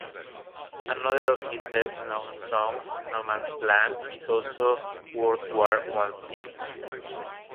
Another of his best-known songs, "No Man's Land", is also World War One-themed.